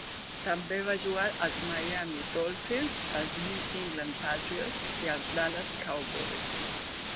També va jugar als Miami Dolphins, als New England Patriots i als Dallas Cowboys.